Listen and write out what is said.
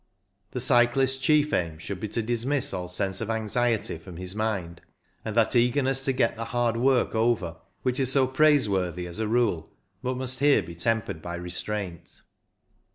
The cyclist's chief aim should be to dismiss all sense of anxiety from his mind, and that eagerness to get the hard work over which is so praiseworthy as a rule, but must here be tempered by restraint.